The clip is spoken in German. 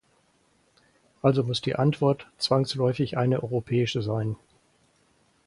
Also muss die Antwort zwangsläufig eine europäische sein.